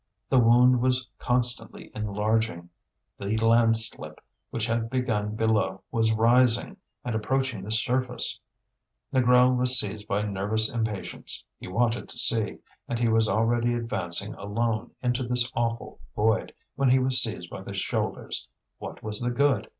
The wound was constantly enlarging; the landslip which had begun below was rising and approaching the surface. Négrel was seized by nervous impatience; he wanted to see, and he was already advancing alone into this awful void when he was seized by the shoulders. What was the good?